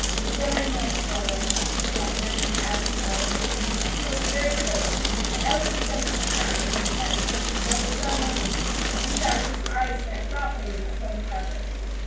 "Very nice, daughter," he answered, in an absent way. He looked very grave, and Elsie studied his countenance intently while, for some moments, he sat with his eyes bent thoughtfully upon the carpet.